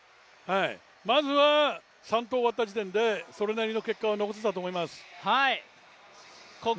まずは３投終わった時点で、それなりの結果を残せたと思います。